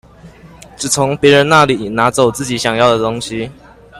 只從別人那裡拿走自己想要的東西